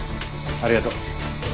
ありがとう。